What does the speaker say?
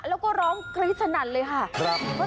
แล้วก็ร้องกรี๊ดสนั่นเลยค่ะ